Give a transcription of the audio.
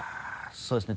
そうですね